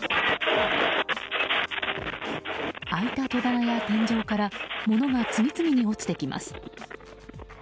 開いた戸棚や天井から物が次々に落ちてきます。